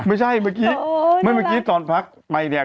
ไม่ใช่เมื่อกี้ตอนพักไปเนี่ย